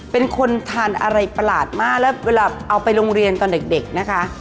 เป็นคนทานอะไรประหลาดมากแล้วเวลาเอาไปโรงเรียนตอนเด็กนะคะ